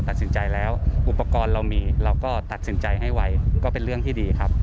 ตัดสินใจแล้วอุปกรณ์เรามีเราก็ตัดสินใจให้ไว้ก็เป็นเรื่องที่ดีครับ